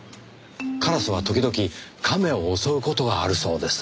カラスは時々カメを襲う事があるそうです。